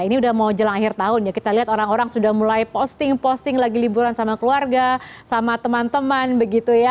ini udah mau jelang akhir tahun ya kita lihat orang orang sudah mulai posting posting lagi liburan sama keluarga sama teman teman begitu ya